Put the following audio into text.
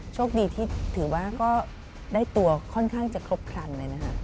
โชคดีที่ถือว่าก็ได้ตัวค่อนข้างจะครบครันเลยนะครับ